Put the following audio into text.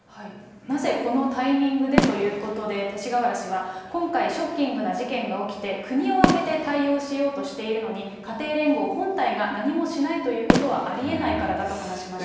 なぜこのタイミングで？ということで、勅使河原氏は、今回、ショッキングな事件が起きて、国を挙げて対応しようとしているのに、家庭連合本体が何もしないということはありえないからだと話しま